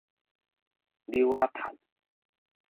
鈕仔襻